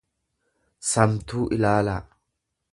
samtuu ilaalaa